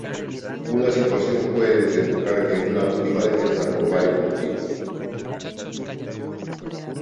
Una situación puede desembocar en una última defensa por varios motivos.